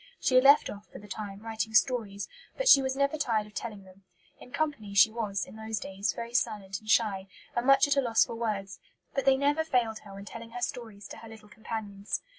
She had left off, for the time, writing stories, but she was never tired of telling them. In company she was, in those days, very silent and shy, and much at a loss for words; but they never failed her when telling her stories to her little companions.